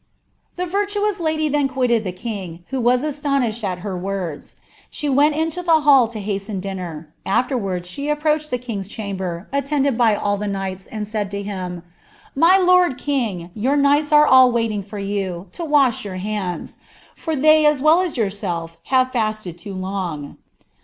*'Tbe virtuous lady then quitted the king, who was astonished at lier words. She went into the hull to hasten dinner; a^erwards she ap proached the kiiig'a chamber, aiiendeil by all the knights, and said to him, "* My lord king, your knights aie all waiting for you, to wash their hBn<l9 ; for they, aa well as yourself, have fasted too long.'